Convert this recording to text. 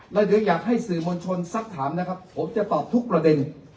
แล้วเดี๋ยวอยากให้สื่อมวลชนสักถามนะครับผมจะตอบทุกประเด็น